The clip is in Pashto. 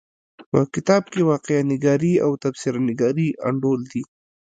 په کتاب کې واقعه نګاري او تبصره نګاري انډول دي.